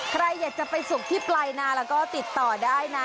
ใครอยากจะไปสุกที่ปลายนาแล้วก็ติดต่อได้นะ